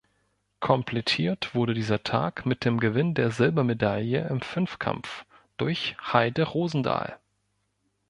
Komplettiert wurde dieser Tag mit dem Gewinn der Silbermedaille im Fünfkampf durch Heide Rosendahl.